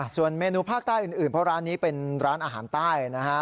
ส่วนเมนูภาคใต้อื่นเพราะร้านนี้เป็นร้านอาหารใต้นะฮะ